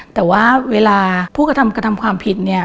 แต่ว่าเวลาผู้กระทำกระทำความผิดเนี่ย